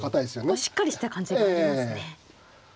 ここしっかりした感じがありますね。